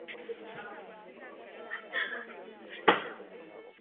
Teorie automatů má těsnou souvislost s teorií formálních jazyků.